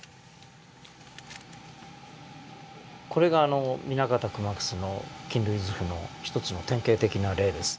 これが南方熊楠の菌類図譜の一つの典型的な例です。